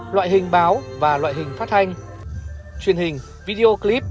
loại hình báo và loại hình phát thanh truyền hình video clip